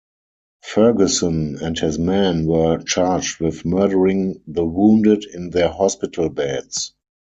Ferguson and his men were charged with murdering the wounded in their hospital beds.